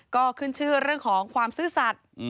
ก็ขึ้นชื่อเรื่องของความซื่อสัตว์